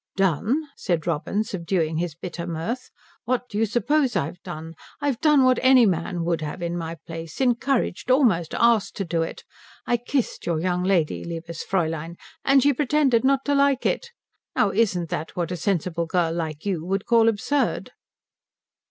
"Done?" said Robin, subduing his bitter mirth. "What do you suppose I've done? I've done what any man would have in my place encouraged, almost asked to do it. I kissed your young lady, liebes Fräulein, and she pretended not to like it. Now isn't that what a sensible girl like you would call absurd?"